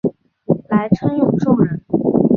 来瑱永寿人。